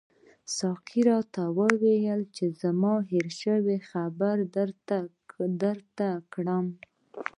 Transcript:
ساقي راته وویل چې زما هېر شول چې خبر درکړم.